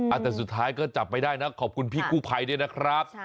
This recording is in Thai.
สุดท้ายก็จับไปได้นะขอบคุณพี่กู้ภัยด้วยนะครับ